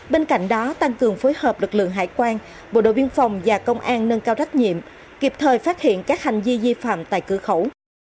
bên cạnh đó tăng cường phối hợp lực lượng hải quan bộ đội biên phòng và công an nâng cao trách nhiệm kịp thời phát hiện các hành vi di phạm tại cửa khẩu